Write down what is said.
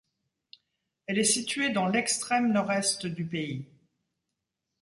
Elle est située dans l'extrême Nord-Est du pays.